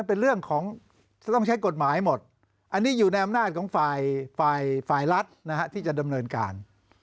เป็นเรื่องของจะต้องใช้กฎหมายหมดอันนี้อยู่ในอำนาจของฝ่ายฝ่ายรัฐที่จะดำเนินการ